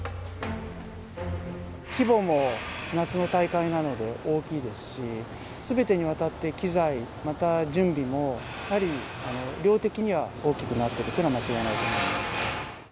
規模も夏の大会なので大きいですし、すべてにわたって機材、また、準備もやはり量的には大きくなってるというのは間違いないと思います。